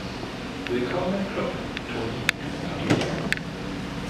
Willkommen im Club, Tony, gratuliere.